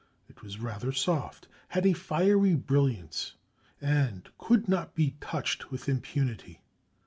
It was rather soft, had a fiery brilliance, and could not be touched with impunity.